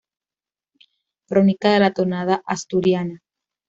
Crónica de la Tonada Asturiana